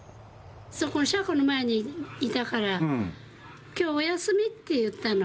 車庫の前にいたから、きょうお休み？って言ったの。